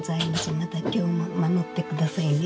また今日も守って下さいね。